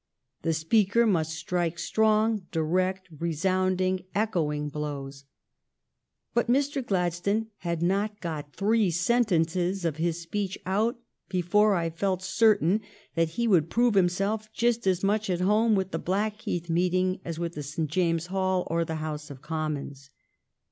The speaker must strike strong, direct, resounding, echoing blows. But Mr. Gladstone had not got three sentences of his speech out before I felt certain that he would prove himself just as much at home with the Blackheath meeting as with St. James's Hall or with the House of Commons.